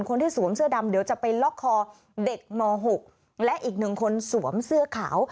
คนที่สวมเสื้อดำเดี๋ยวจะไปล็อกคอเด็กม๖และอีกหนึ่งคนสวมเสื้อขาว